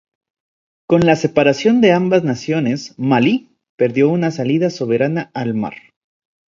Con la separación de ambas naciones, Malí perdió una salida soberana al mar.